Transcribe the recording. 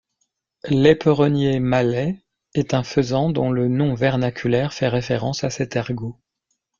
L'éperonnier malais est un faisan dont le nom vernaculaire fait référence à cet ergot.